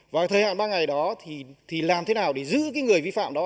và thời hạn ba ngày đó thì làm thế nào để giữ cái người vi phạm đó